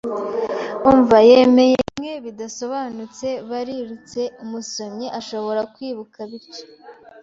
umva, yemeye bimwe bidasobanutse. Barirutse, umusomyi ashobora kwibuka, bityo: